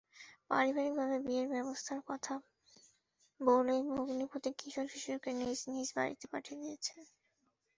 পারিবারিকভাবে বিয়ের ব্যবস্থার কথা বলে ভগ্নিপতি কিশোর-কিশোরীকে নিজ নিজ বাড়িতে পাঠিয়ে দেন।